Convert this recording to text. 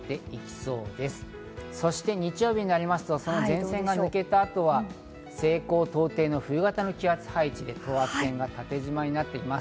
そして日曜日になりますとさらに前線が抜けた後は、西高東低の冬型の気圧配置で等圧線がタテジマになっています。